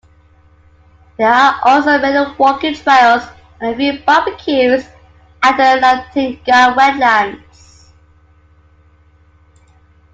There are also many walking trails and a few barbecues at the Laratinga Wetlands.